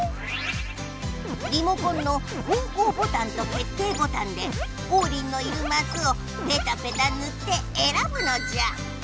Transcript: リモコンの方向ボタンと決定ボタンでオウリンのいるマスをペタペタぬってえらぶのじゃ！